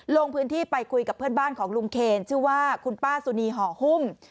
ลงพื้นที่ไปคุยกับเพื่อนบ้านของลุงเคนชื่อว่าคุณป้าสุนีห่อหุ้ม